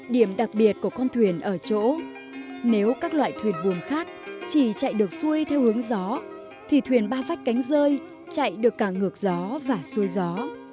điểm đặc biệt của con thuyền ở chỗ nếu các loại thuyền buồng khác chỉ chạy được xuôi theo hướng gió thì thuyền ba vách cánh rơi chạy được cả ngược gió và xuôi gió